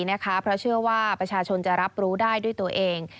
เพราะว่าบัชชนต์จะรับรู้ได้ด้วยตัวเอง